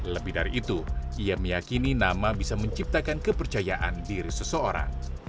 lebih dari itu ia meyakini nama bisa menciptakan kepercayaan diri seseorang